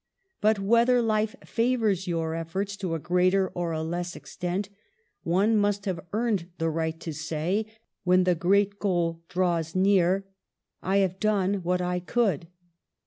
But, whether life favours your efforts to a greater or a less extent, one must have earned the right to say when the great goal draws near: 'I have done what I could.